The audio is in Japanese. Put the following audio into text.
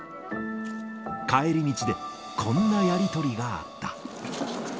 帰り道で、こんなやり取りがあった。